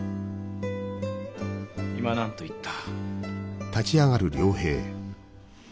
今何と言った？